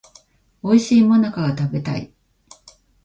おいしい最中が食べたい